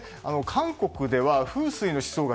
韓国では風水の思想が